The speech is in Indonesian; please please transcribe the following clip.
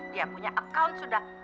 dia punya account sudah